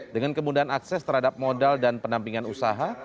dengan kemudahan akses terhadap modal dan penampingan usaha